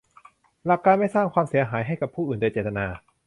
หลักการไม่สร้างความเสียหายให้กับผู้อื่นโดยเจตนา